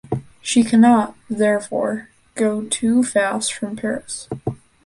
She cannot, therefore, go too fast from Paris.